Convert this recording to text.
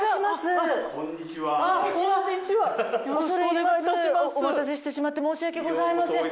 お待たせしてしまって申し訳ございません。